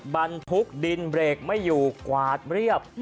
บรรทุกดินเบรกไม่อยู่กวาดเรียบ